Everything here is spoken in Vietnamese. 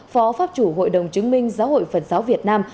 phó pháp chủ hội đồng chứng minh giáo hội phật giáo việt nam